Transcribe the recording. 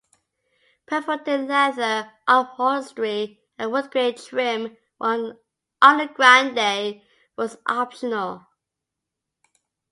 Perforated leather upholstery and wood grain trim on the Grande was optional.